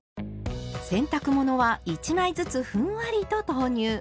洗濯物は１枚ずつふんわりと投入。